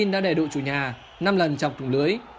đã để đội chủ nhà năm lần chọc thủng lưới